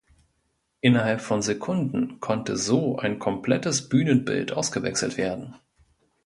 Innerhalb von Sekunden konnte so ein komplettes Bühnenbild ausgewechselt werden.